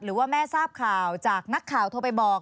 หรือว่าแม่ทราบข่าวจากนักข่าวโทรไปบอก